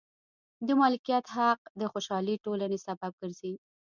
د مالکیت حق د خوشحالې ټولنې سبب ګرځي.